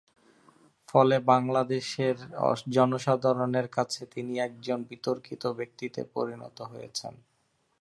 ফলে বাংলাদেশের জনসাধারনের কাছে তিনি একজন বিতর্কিত ব্যক্তিতে পরিণত হয়েছেন।